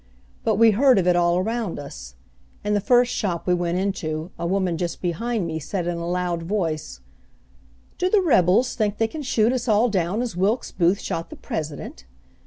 But we heard of it all around us. In the first shop we went into a woman just behind me said in a loud voice, "Do the rebels think they can shoot us all down as Wilkes Booth shot the president?"